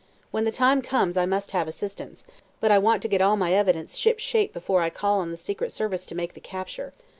"When the time comes, I must have assistance, but I want to get all my evidence shipshape before I call on the Secret Service to make the capture.